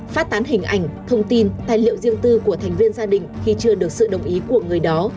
phát tán hình ảnh thông tin tài liệu riêng tư của thành viên gia đình khi chưa được sự đồng ý của người đó